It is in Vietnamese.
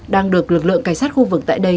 đang được lực lượng cảnh sát khu vực tại đây